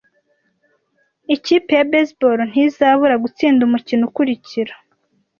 Ikipe ya baseball ntizabura gutsinda umukino ukurikira.